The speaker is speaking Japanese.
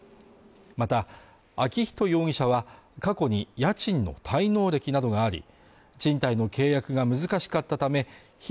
また昭仁容疑者は過去に家賃の滞納歴などがあり賃貸の契約が難しかったため弘